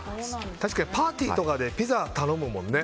確かにパーティーとかでピザを頼むもんね。